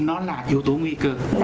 nó là kiểu tố nguy cơ